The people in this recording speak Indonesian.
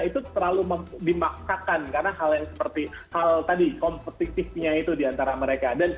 itu terlalu dimaksakan karena hal yang seperti hal tadi kompetisinya itu di antara mereka